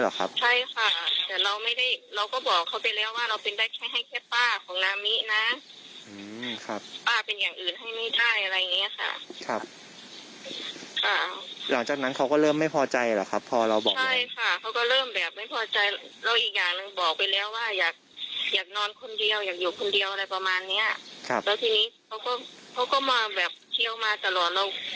แล้วทีนี้เขาก็มาแบบเที่ยวมาตลอด